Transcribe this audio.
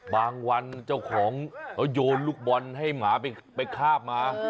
บางวันเจ้าของเขาโยนลูกบอลให้หมาไปคาบมา